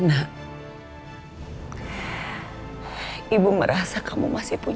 akan mendapatkan keadilan